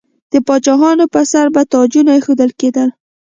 د پاچاهانو پر سر به تاجونه ایښودل کیدل.